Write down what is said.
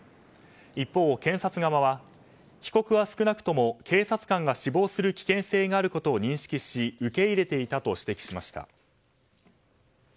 一方、検察側は被告は少なくとも警察官が死亡する危険性があることを認識し、受け入れていたと指摘しました。